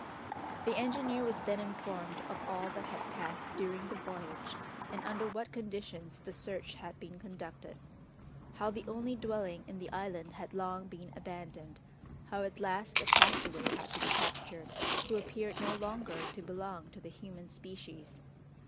The engineer was then informed of all that had passed during the voyage, and under what conditions the search had been conducted; how the only dwelling in the island had long been abandoned; how at last a castaway had been captured, who appeared no longer to belong to the human species.